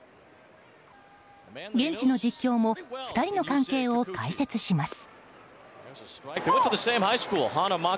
現地の実況も２人の関係を解説します。